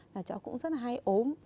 là cháu cũng rất là hay ốm